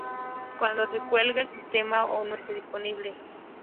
Cuando se cuelgue el sistema o no este disponible.